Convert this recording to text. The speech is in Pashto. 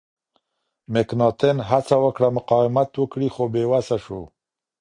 مکناتن هڅه وکړه مقاومت وکړي خو بې وسه شو.